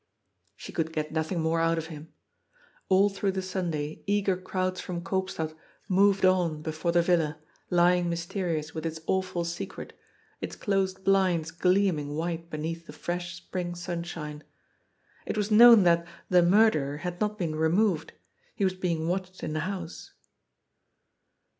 She could get nothing more out of him. All through the Sunday eager crowds from Koopstad "moved on" before the villa, lying mysterious with its awful secret, its closed blinds gleaming white beneath the fresh spring sunshine. It was known that " the murderer " had not been removed. He was being watched in the house.